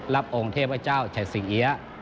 รับองค์เทพเจ้าชัยสิงเหีย